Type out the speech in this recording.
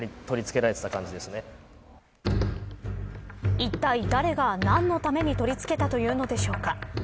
いったい誰が、何のために取り付けたというのでしょうか。